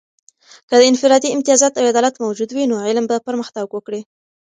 که د انفرادي امتیازات او عدالت موجود وي، نو علم به پرمختګ وکړي.